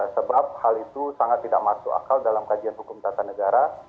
sebab hal itu sangat tidak masuk akal dalam kajian hukum tata negara